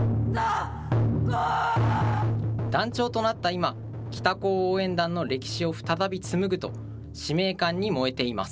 団長となった今、北高応援団の歴史を再び紡ぐと、使命感に燃えています。